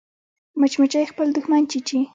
مچمچۍ خپل دښمن چیچي